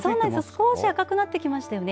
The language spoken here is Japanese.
少し赤くなっていますよね。